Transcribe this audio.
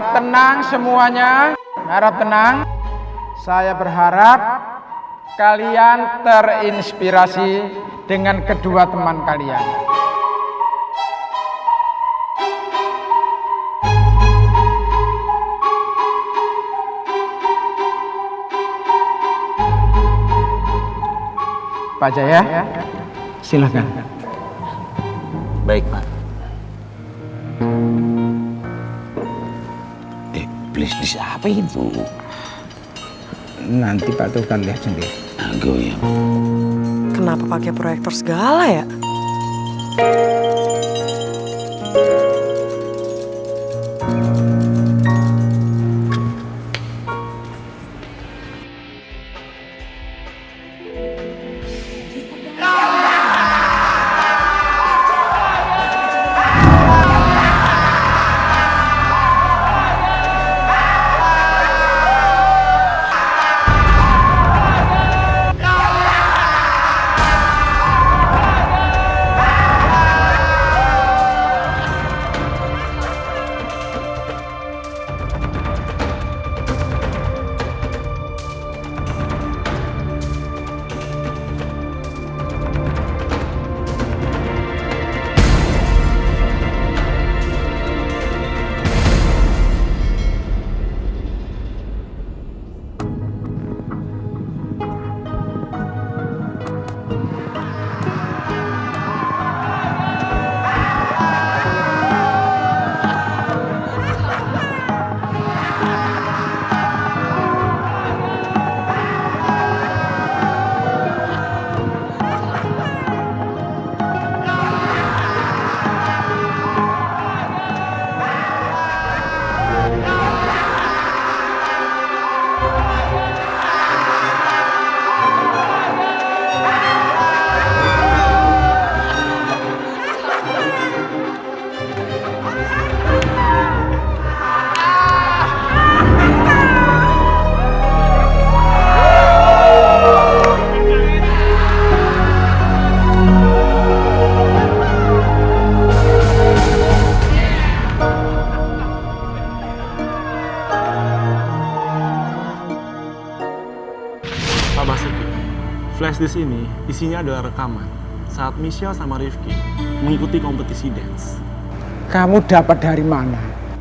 tenang semuanya saya berharap kalian terinspirasi dengan kedua teman kalian